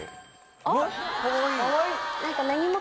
あっ！